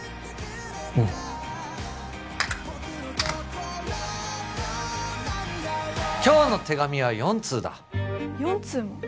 うん今日の手紙は４通だ４通も？